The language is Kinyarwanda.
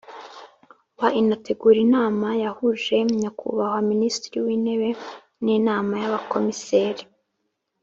wa inategura inama yahuje Nyakubahwa Minisitiri w Intebe n Inama y Abakomiseri